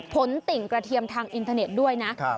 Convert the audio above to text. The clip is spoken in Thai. ติ่งกระเทียมทางอินเทอร์เน็ตด้วยนะ